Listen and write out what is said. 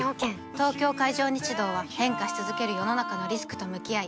東京海上日動は変化し続ける世の中のリスクと向き合い